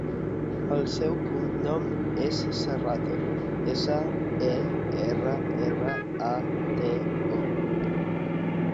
El seu cognom és Serrato: essa, e, erra, erra, a, te, o.